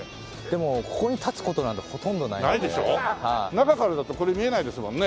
中からだとこれ見えないですもんね。